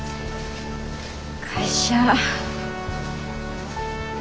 会社。